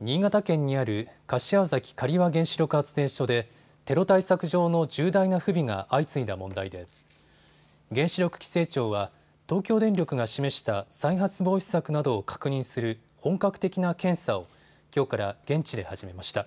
新潟県にある柏崎刈羽原子力発電所でテロ対策上の重大な不備が相次いだ問題で原子力規制庁は東京電力が示した再発防止策などを確認する本格的な検査をきょうから現地で始めました。